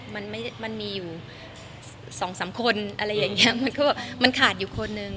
มันมีอยู่สองสามคนอะไรอย่างนี้มันขาดอยู่คนหนึ่ง